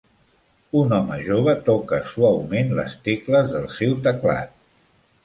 Un home jove toca suaument les tecles del seu teclat.